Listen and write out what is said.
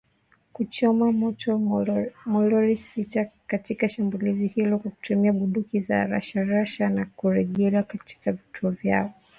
kuchoma moto malori sita katika shambulizi hilo kwa kutumia bunduki za rashasha na kurejea katika vituo vyao bila kuumia